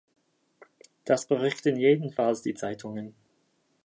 Das berichten jedenfalls die Zeitungen.